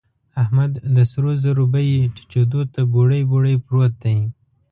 احمد د سرو زرو بيې ټيټېدو ته بوړۍ بوړۍ پروت دی.